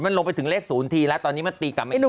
มันลงไปถึงเลขศูนย์ทีแล้วตอนนี้มันตีกลับมาอีกครั้ง